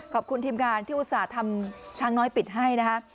ขอบคุณทีมงานที่อุตส่าห์ทำช้างน้อยปิดให้นะคะ